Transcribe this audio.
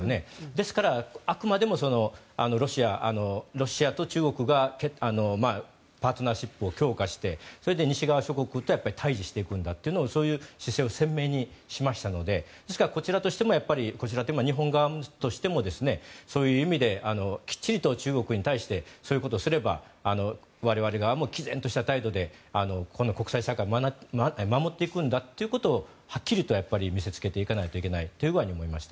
ですから、あくまでもロシアと中国がパートナーシップを強化してそれで西側諸国と対峙していくんだというそういう姿勢を鮮明にしましたのでですから、こちらとしてもこちらというか日本側としてもそういう意味できっちりと、中国に対してそういうことをすれば我々側もきぜんとした態度で国際社会を守っていくんだということをはっきりと見せつけていかないといけないと思いました。